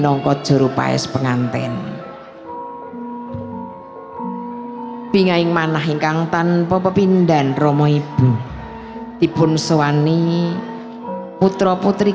nongkot juru paes pengantin bingung mana hingga ngan tanpa pepin dan romo ibu ipun suwani putra putri